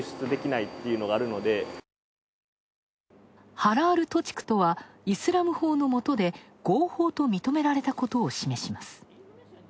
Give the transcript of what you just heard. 「ハラールと畜」とは、イスラム法のもとで合法と認められたことを示します。